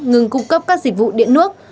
ngừng cung cấp các dịch vụ điện nước